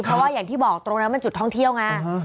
เพราะว่าอย่างที่บอกตรงนั้นมันจุดท่องเที่ยวไง